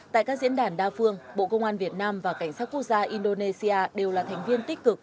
tại các diễn đàn đa phương bộ công an việt nam và cảnh sát quốc gia indonesia đều là thành viên tích cực